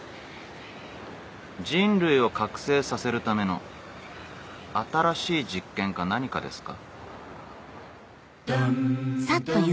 人類を覚醒させるための新しい実験か何かですか？